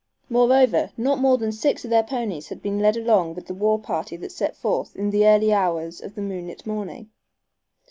Moreover, not more than six of their ponies had been led along with the war party that set forth in the early hours of the moonlit morning.